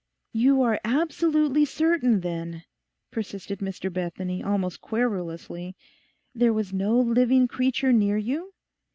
'You are absolutely certain, then,' persisted Mr Bethany almost querulously, 'there was no living creature near you?